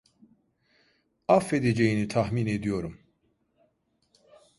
Affedeceğini tahmin ediyorum.